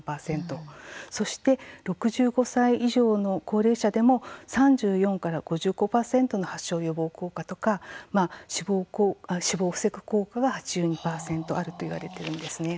そして６５歳以上の高齢者でも３４から５５％の発症予防効果とか死亡を防ぐ効果が８２％あると言われているんですね。